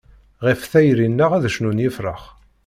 Ɣef tayri-nneɣ ad cnun yefrax.